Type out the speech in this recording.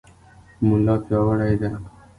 ملا پیاوړی دی.